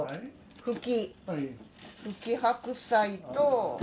ふき、白菜と。